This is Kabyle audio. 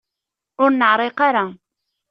Ur neεriq ara.